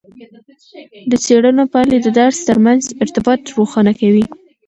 د څیړنو پایلې د درس ترمنځ ارتباطات روښانه کوي.